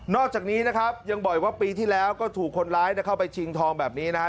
อกจากนี้นะครับยังบ่อยว่าปีที่แล้วก็ถูกคนร้ายเข้าไปชิงทองแบบนี้นะครับ